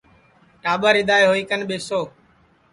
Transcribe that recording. ٹاٻر اِدؔائے ہوئی کن ٻیسو